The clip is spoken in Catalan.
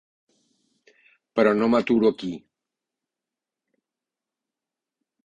Però no m'aturo aquí.